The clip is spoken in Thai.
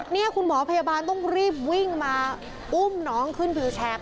นี่คุณหมอพยาบาลต้องรีบวิ่งมาอุ้มน้องขึ้นวิวแชร์